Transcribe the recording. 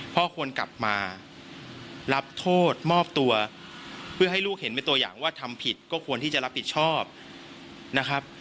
พ่อควรกลับมารับโทษมอบตัวเพื่อให้ลูกเห็นเป็นตัวอย่างว่าทำผิดก็ควรที่จะรับผิดชอบนะครับ